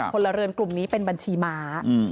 พลเรือนกลุ่มนี้เป็นบัญชีม้า